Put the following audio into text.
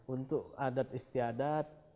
untuk adat istiadat